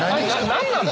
何なの？